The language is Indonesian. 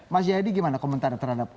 mas yadi gimana komentar terhadap orang ini